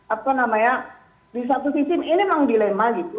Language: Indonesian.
apa namanya di satu sisi ini memang dilema gitu